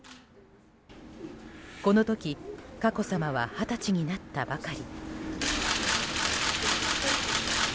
この時、佳子さまは二十歳になったばかり。